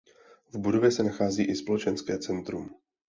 V budově se nachází i společenské centrum.